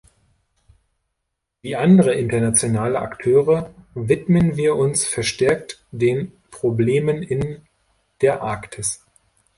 Wie andere internationale Akteure widmen wir uns verstärkt den Problemen in der Arktis.